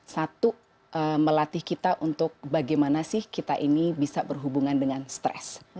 satu melatih kita untuk bagaimana sih kita ini bisa berhubungan dengan stres